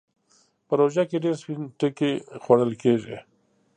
په روژه کې ډېر سپين ټکی خوړل کېږي.